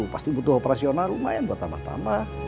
pasti butuh operasional lumayan buat tambah tambah